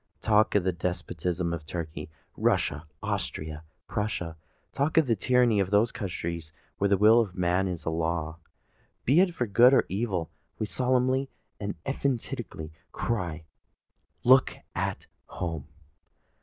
Talk of the despotism of Turkey, Russia, Austria, or Prussia,—talk of the tyranny of those countries where the will of one man is a law, be it for good or evil,—we solemnly and emphatically cry, "Look at home!"